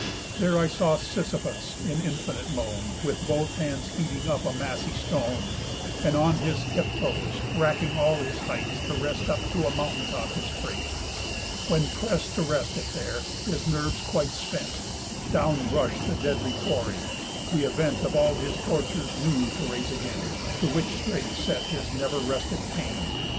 There saw I Sisyphus in infinite moan, With both hands heaving up a massy stone, And on his tip toes racking all his height, To wrest up to a mountain top his freight; When prest to rest it there, his nerves quite spent, Down rush'd the deadly quarry, the event Of all his torture new to raise again; To which straight set his never rested pain.